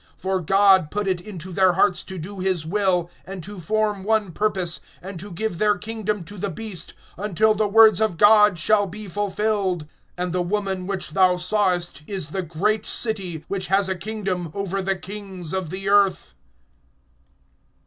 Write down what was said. (17)For God put it into their hearts to do his will, and to form one purpose, and to give their kingdom to the beast, until the words of God shall be fulfilled. (18)And the woman which thou sawest is the great city, which has a kingdom over the kings of the earth.